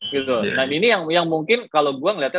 gitu nah ini yang mungkin kalau gue ngeliatnya